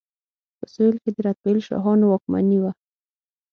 په سویل کې د رتبیل شاهانو واکمني وه.